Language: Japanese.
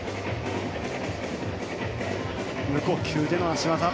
無呼吸での脚技。